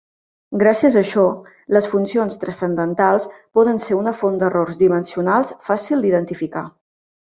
Gràcies a això, les funcions transcendentals poden ser una font d'errors dimensionals fàcil d'identificar.